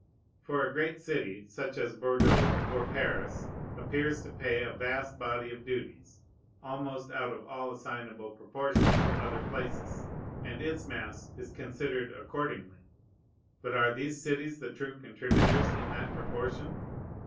For a great city, such as Bordeaux or Paris, appears to pay a vast body of duties, almost out of all assignable proportion to other places, and its mass is considered accordingly. But are these cities the true contributors in that proportion?